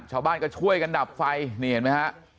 ชาวบ้านก็ช่วยกันดับไฟนี่เห็นไหมฮะ